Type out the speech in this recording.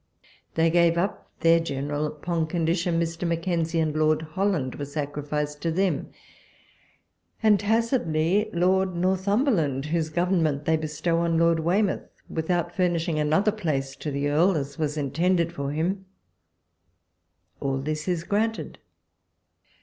They gave up their General, upon condition ^Ir. Mackenzie and Lord Holland were sacrificed to them, and, tacitly, Lord Northumberland, whose govern ment they bestow on Lord Weymouth without furnishing another place to the earl, as was in tended for him. All this is granted.